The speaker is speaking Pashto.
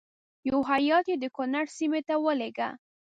یو هیات یې د کنړ سیمې ته ولېږه.